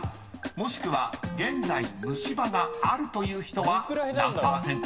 もしくは現在虫歯があるという人は何％？］